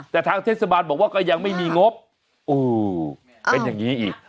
แต่ทางเทศบาลบอกว่าก็ยังไม่มีงบโอ้เป็นอย่างนี้อีก